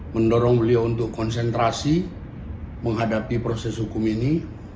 mendorong beliau untuk konsentrasi menghadapi proses hukum ini